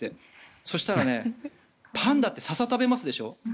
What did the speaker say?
そうしたらねパンダって笹を食べますでしょ。